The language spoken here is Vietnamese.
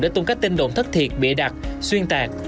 để tung các tin đồn thất thiệt bịa đặt xuyên tạc